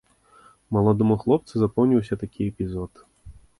Маладому хлопцу запомніўся такі эпізод.